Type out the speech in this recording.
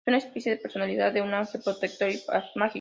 Es una especie de personificación de un ángel protector y mágico.